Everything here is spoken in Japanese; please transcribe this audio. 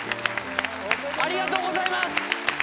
ありがとうございます！